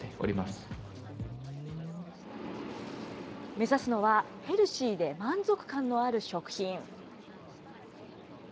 目指すのは、ヘルシーで満足感のある食品。